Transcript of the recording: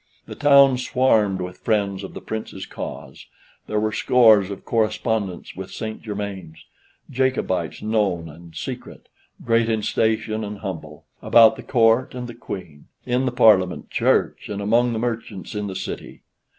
The town swarmed with friends of the Prince's cause; there were scores of correspondents with St. Germains; Jacobites known and secret; great in station and humble; about the Court and the Queen; in the Parliament, Church, and among the merchants in the City.